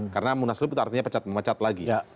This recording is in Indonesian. karena munasulup itu artinya pecat mecat lagi